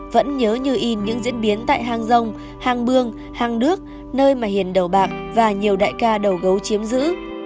vẫn nhớ như in những diễn biến tại hang rồng hang bương hang đước nơi mà hiền đầu bạc và nhiều đại ca đầu gấu chiếm giữ